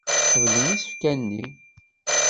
Qeblen isefka-nni.